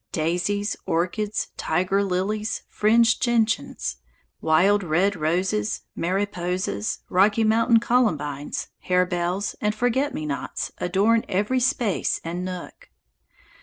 Daisies, orchids, tiger lilies, fringed gentians, wild red roses, mariposas, Rocky Mountain columbines, harebells, and forget me nots adorn every space and nook.